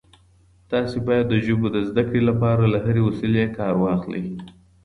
تاسي باید د ژبو د زده کړې لپاره له هرې وسیلې کار واخلئ.